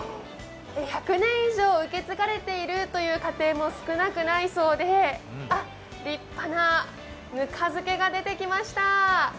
１００年以上、受け継がれているという家庭も少なくないそうで立派なぬか漬けが出てきました。